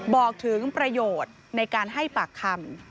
บอกถึงประโยชน์ในการให้ปากคำ